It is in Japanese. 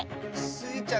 スイちゃん